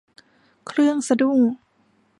เครื่องสะดุ้ง